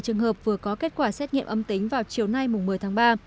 hai trường hợp vừa có kết quả xét nghiệm âm tính vào chiều nay một mươi tháng ba